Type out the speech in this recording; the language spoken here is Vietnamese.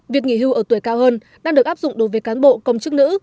việc nghỉ hưu ở tuổi cao hơn đang được áp dụng đối với cán bộ công chức nữ